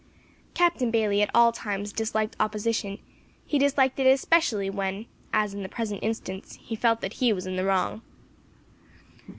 Captain Bayley at all times disliked opposition; he disliked it especially when, as in the present instance, he felt that he was in the wrong.